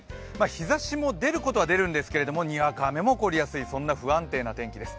日ざしも出ることは出るんですけれども、にわか雨も起こりやすいそんな不安定な天気です。